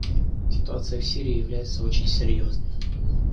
Ситуация в Сирии является очень серьезной.